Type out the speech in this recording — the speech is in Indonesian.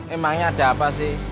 emangnya ada apa sih